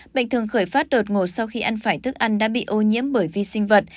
bệnh thường khởi phát đột ngột sau khi ăn phải thức ăn đã bị ô nhiễm bởi vi sinh vật